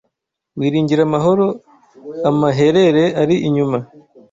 Wiringira amahoro amaherere ari inyuma